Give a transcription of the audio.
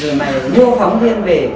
rồi mày mua phóng viên về